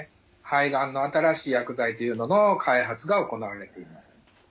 肺がんの新しい薬剤というのの開発が行われています。